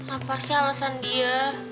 apa sih alasan dia